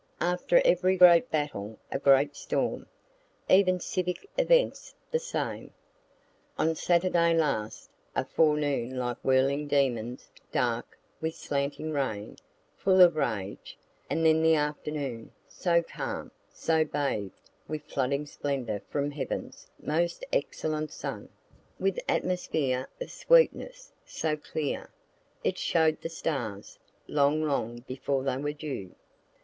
After every great battle, a great storm. Even civic events the same. On Saturday last, a forenoon like whirling demons, dark, with slanting rain, full of rage; and then the afternoon, so calm, so bathed with flooding splendor from heaven's most excellent sun, with atmosphere of sweetness; so clear, it show'd the stars, long long before they were due.